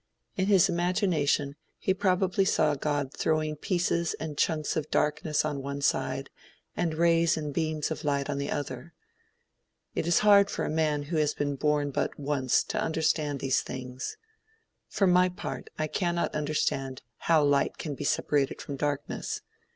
In his imagination he probably saw God throwing pieces and chunks of darkness on one side, and rays and beams of light on the other. It is hard for a man who has been born but once to understand these things. For my part I cannot understand how light can be separated from darkness.